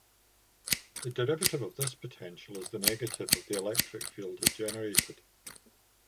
The derivative of this potential is the negative of the electric field generated.